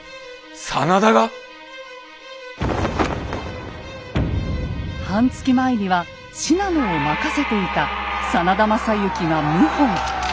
真田が⁉半月前には信濃を任せていた真田昌幸が謀反。